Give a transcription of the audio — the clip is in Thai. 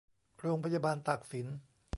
โรงพยาบาลตากสิน